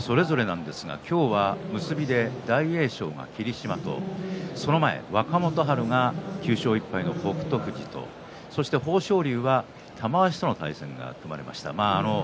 今日は結びで大栄翔が霧島と若元春が９勝１敗の北勝富士と豊昇龍は玉鷲との対戦が組まれました。